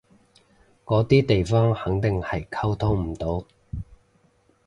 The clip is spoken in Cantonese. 嗰啲地方肯定係溝通唔到